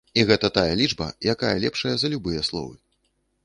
І гэта тая лічба, якая лепшая за любыя словы.